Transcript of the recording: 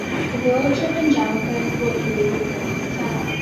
The village of Angelica is located within this town.